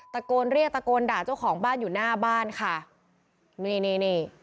ตะโกนเรียกตะโกนด่าเจ้าของบ้านอยู่หน้าบ้านค่ะนี่นี่นี่